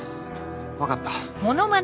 分かった。